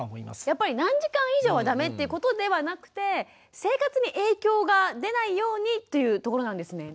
やっぱり何時間以上はダメっていうことではなくて生活に影響が出ないようにというところなんですね。